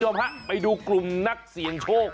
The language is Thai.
คุณผู้ชมฮะไปดูกลุ่มนักเสี่ยงโชค